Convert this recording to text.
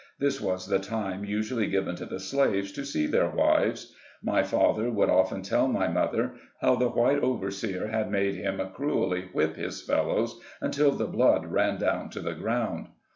This was the time usually given to the slaves to see their wives. My father would often tell my mother how the white overseer had made him cruelly whip his fellows, until the blood ran down to the ground.